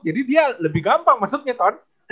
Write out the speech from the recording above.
jadi dia lebih gampang masuknya ton